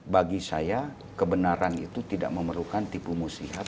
bagi saya kebenaran itu tidak memerlukan tipu musiat